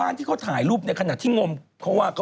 คุณคิดว่าไม้ตระเคียนดำจะขาวไหมละ